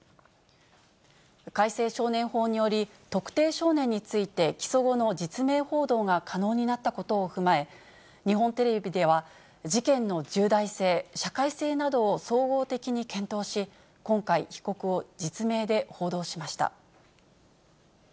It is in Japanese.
改正少年法により、特定少年について起訴後の実名報道が可能になったことを踏まえ、日本テレビでは事件の重大性、社会性などを総合的に検討し、今回、被告を実名で報道しました。